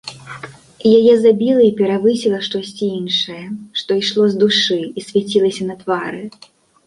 Яе забіла і перавысіла штосьці іншае, што ішло з душы і свяцілася на твары.